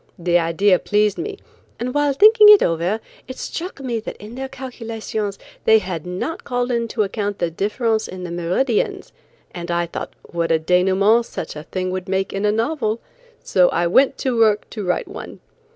The idea pleased me, and while thinking it over it struck me that in their calculations they had not called into account the difference in the meridians and I thought what a denouement such a thing would make in a novel, so I went to work to write one.